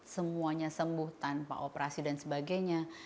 semuanya sembuh tanpa operasi dan sebagainya